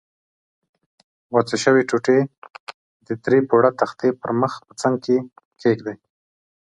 غوڅې شوې ټوټې د درې پوړه تختې پر مخ په څنګ کې کېږدئ.